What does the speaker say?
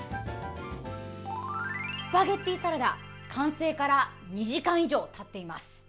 スパゲッティサラダ完成から２時間以上たっています。